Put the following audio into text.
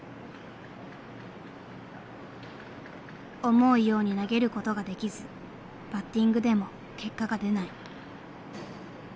思うように投げることができずバッティングでも結果が出ない。